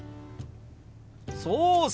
そうそう！